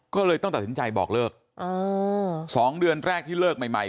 ก็เลยต้องตัดสินใจบอกเลิก๒เดือนแรกที่เลิกใหม่